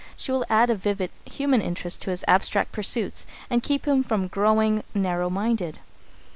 She will add a vivid human interest to his abstract pursuits and keep him from growing narrow minded.